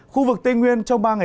khu vực tây nguyên